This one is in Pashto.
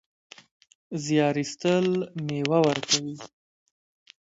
زیار ایستل مېوه ورکوي